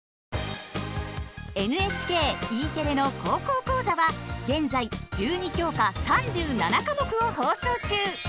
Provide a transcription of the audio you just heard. ＮＨＫＥテレの「高校講座」は現在１２教科３７科目を放送中。